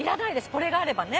これがあればね。